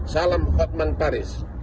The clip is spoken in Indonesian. salam hotman paris